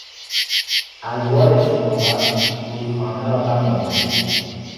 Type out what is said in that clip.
الوار شناور، رودخانه را بند آورده بود.